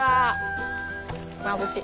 まぶしい。